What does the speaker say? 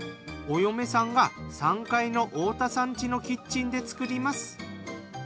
お嫁さんが３階の太田さん家のキッチンで作ります。